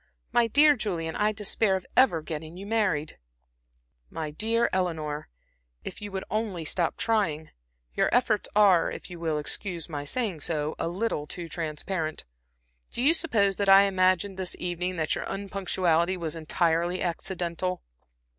My dear Julian, I despair of ever getting you married." "My dear Eleanor, if you would only stop trying. Your efforts are, if you will excuse my saying so, a little too transparent. Do you suppose that I imagined this evening that your unpunctuality was entirely accidental?"